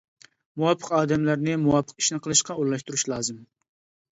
مۇۋاپىق ئادەملەرنى مۇۋاپىق ئىشنى قىلىشقا ئورۇنلاشتۇرۇش لازىم.